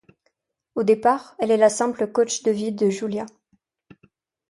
Au départ, elle est le simple coach de vie de Julia.